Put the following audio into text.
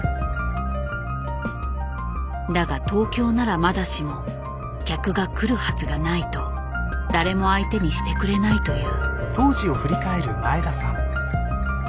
だが東京ならまだしも客が来るはずがないと誰も相手にしてくれないという。